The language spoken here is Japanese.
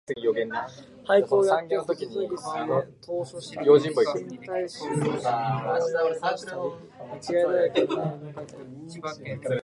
俳句をやってほととぎすへ投書をしたり、新体詩を明星へ出したり、間違いだらけの英文をかいたり、